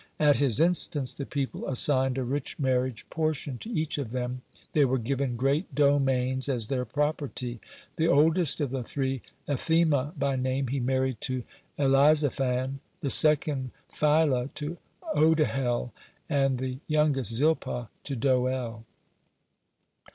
At his instance, the people assigned a rich marriage portion to each of them; they were given great domains as their property. The oldest of the three, Ethema by name, he married to Elizaphan; the second, Pheila, to Odihel; and the youngest, Zilpah, to Doel.